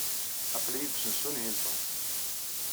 Aql-iyi deg usensu n Hilton.